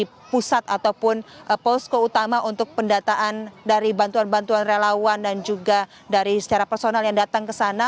di pusat ataupun posko utama untuk pendataan dari bantuan bantuan relawan dan juga dari secara personal yang datang ke sana